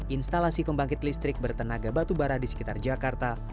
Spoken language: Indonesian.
instalasi pembangkit listrik bertenaga batubara di sekitar jakarta